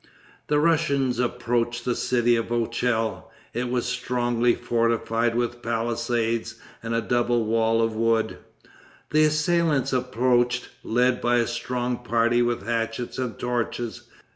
The Russians approached the city of Ochel. It was strongly fortified with palisades and a double wall of wood. The assailants approached, led by a strong party with hatchets and torches.